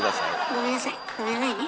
ごめんなさいごめんなさいね。